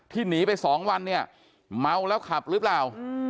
ที่หนีไป๒วันเมาแล้วขับหรือเปล่า